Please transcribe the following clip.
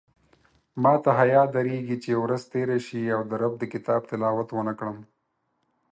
ماته حیاء درېږې چې ورځ تېره شي او د رب د کتاب تلاوت ونکړم